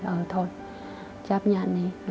ờ thôi chấp nhận đi